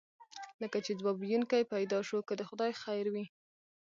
لکه چې ځواب ویونکی پیدا شو، که د خدای خیر وي.